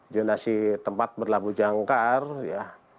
jonasi tempat berlabuh jangkar ya